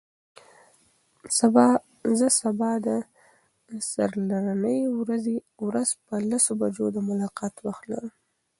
زه سبا د څلرنۍ ورځ په لسو بجو د ملاقات وخت لرم.